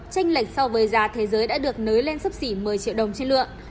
tranh lệch so với giá thế giới đã được nới lên sấp xỉ một mươi triệu đồng trên lượng